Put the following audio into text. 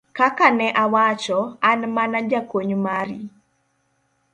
ka ka ne awacho, an mana jakony mari